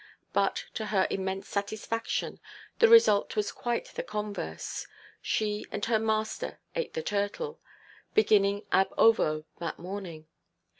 But, to her immense satisfaction, the result was quite the converse: she and her master ate the turtle; beginning, ab ovo, that morning.